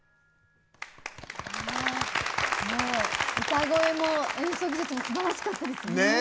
歌声も演奏技術もすばらしかったですね。